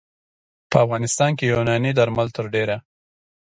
په افغانستان کې یوناني درمل تر ډېره